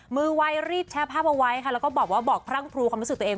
มือไวรีบแชร์ภาพเอาไว้ค่ะแล้วก็บอกว่าบอกพรั่งพลูความรู้สึกตัวเอง